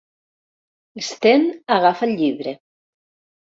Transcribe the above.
L'Sten agafa el llibre.